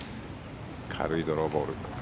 軽いドローボール。